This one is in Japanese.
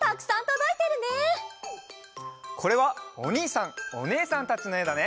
これはおにいさんおねえさんたちのえだね。